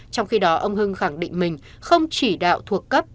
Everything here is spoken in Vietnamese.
trong khi đó ông hưng khẳng định mình không chỉ đạo thuộc cấp